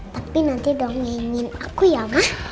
tapi nanti dongengin aku ya mah